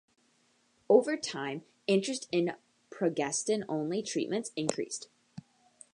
Over time, interest in progestin-only treatments increased.